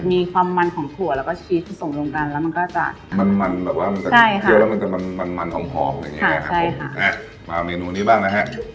หอมอย่างเงี้ยครับผมมาเมนูนี้บ้างนะฮะ